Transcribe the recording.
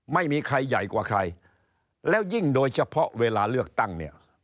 ไม่มีใครใหญ่กว่าใครแล้วยิ่งโดยเฉพาะเวลาเลือกตั้งเนี่ย